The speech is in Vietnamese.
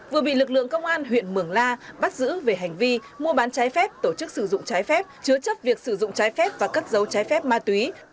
vừa bị lực lượng công an huyện mường la bắt giữ về hành vi mua bán trái phép tổ chức sử dụng trái phép chứa chấp việc sử dụng trái phép và cất dấu trái phép ma túy